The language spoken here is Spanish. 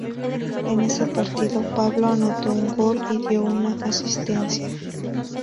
En ese partido Pablo anotó un gol y dio una asistencia.